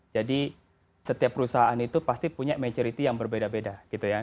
jadi setiap perusahaan itu pasti punya maturity yang berbeda beda gitu ya